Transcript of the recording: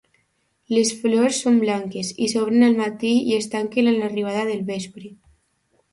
Les flors són blanques i s'obren al matí i es tanquen a l'arribada del vespre.